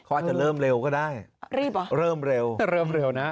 เขาอาจจะเริ่มเร็วก็ได้เริ่มเร็วเริ่มเร็วนะ